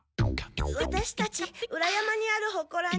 ワタシたち裏山にあるほこらに。